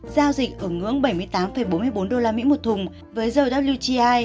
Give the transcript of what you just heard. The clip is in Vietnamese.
giao dịch ở ngưỡng bảy mươi tám bốn mươi bốn usd một thùng với dầu wi